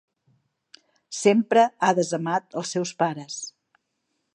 Sempre ha desamat els seus pares.